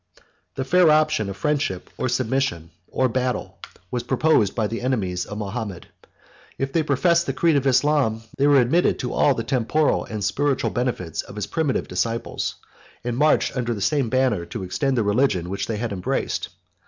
1241 The fair option of friendship, or submission, or battle, was proposed to the enemies of Mahomet. If they professed the creed of Islam, they were admitted to all the temporal and spiritual benefits of his primitive disciples, and marched under the same banner to extend the religion which they had embraced.